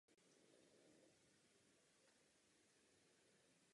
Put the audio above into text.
České webové seriály jsou v samostatném seznamu.